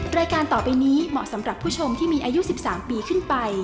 รายการต่อไปนี้เหมาะสำหรับผู้ชมที่มีอายุ๑๓ปีขึ้นไป